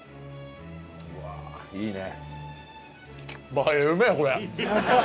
うわあいいね。